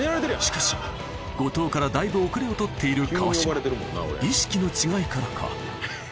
しかし後藤からだいぶ遅れを取っている川島意識の違いからか